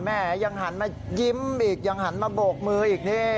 แม่ยังหันมายิ้มอีกยังหันมาโบกมืออีกนี่